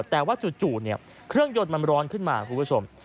แต่ว่าจู่เครื่องยนต์มันร้อนขึ้นมาคุณผู้ชม